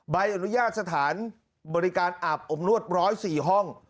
ใบอนุญาตสถานบริการอาบอบนวด๑๐๔ห้อง